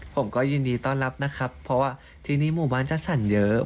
ผมก็ยินดีต้อนรับนะครับเพราะว่าที่นี่หมู่บ้านจัดสรรเยอะ